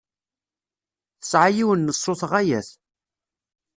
Tesɛa yiwen n ṣṣut ɣaya-t.